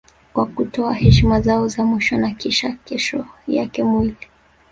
Kwa kutoa heshima zao za mwisho na kisha kesho yake mwili